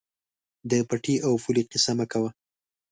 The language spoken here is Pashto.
د پټي او پولې قیصه مه کوه.